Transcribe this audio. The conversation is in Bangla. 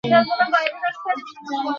ভবিষ্যতের সমস্ত আশঙ্কা তো দূর করতে পারছি নে।